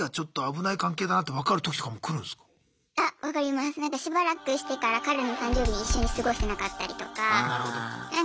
なんかしばらくしてから彼の誕生日に一緒に過ごしてなかったりとか。